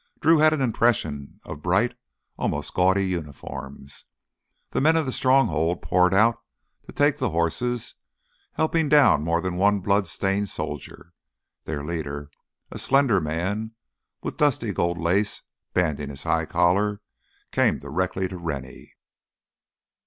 Drew had an impression of bright, almost gaudy uniforms. The men of the Stronghold poured out to take the horses, helping down more than one blood stained soldier. Their leader, a slender man with dusty gold lace banding his high collar, came directly to Rennie.